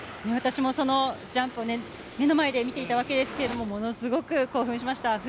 私も、そのジャンプを目の前で見ていたわけですけれども、ものすごく興奮しました。